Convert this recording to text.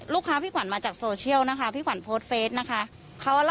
พี่ขวัญมาจากโซเชียลนะคะพี่ขวัญโพสต์เฟสนะคะ